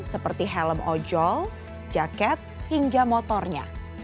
seperti helm ojol jaket hingga motornya